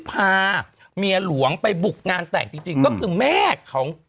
พาเมียหลวงไปบุกงานแต่งจริงก็คือแม่ของ